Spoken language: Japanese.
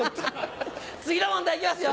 次の問題いきますよ！